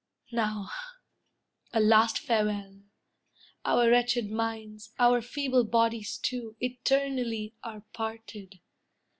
Now, a last farewell! Our wretched minds, our feeble bodies, too, Eternally are parted.